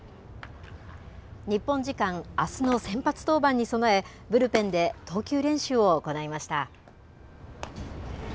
日本時間あすの先発登板に備え、ブルペンで投球練習を行いました。